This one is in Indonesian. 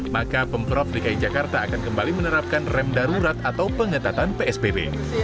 maka pemprov dki jakarta akan kembali menerapkan rem darurat atau pengetatan psbb